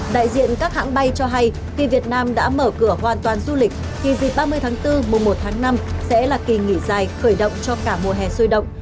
đại diện các hãng bay cho hay khi việt nam đã mở cửa hoàn toàn du lịch thì dịp ba mươi tháng bốn mùa một tháng năm sẽ là kỳ nghỉ dài khởi động cho cả mùa hè sôi động